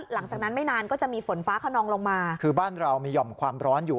หลังจากนั้นไม่นานก็จะมีฝนฟ้าขนองลงมาคือบ้านเรามีห่อมความร้อนอยู่